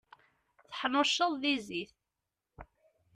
Tteḥnuccuḍ di zzit.